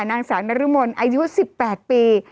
นางสาวนรมนอายุ๑๘ปี